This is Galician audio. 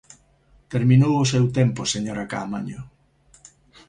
Terminou o seu tempo, señora Caamaño.